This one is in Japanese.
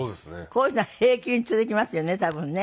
こういうのは平気に続きますよね多分ね。